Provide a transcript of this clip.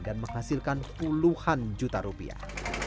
dan menghasilkan puluhan juta rupiah